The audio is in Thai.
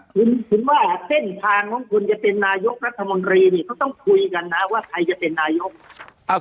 คุณคุณว่าเส้นทางของคุณจะเป็นนายกรัฐมนตรีนี่เขาต้องคุยกันนะว่าใครจะเป็นนายก